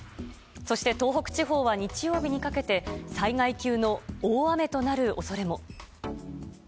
そして東北地方は日曜日にかけて災害級の大雨となる恐れも。